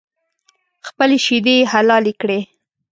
خپلې شیدې یې حلالې کړې